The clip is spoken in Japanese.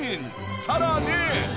さらに。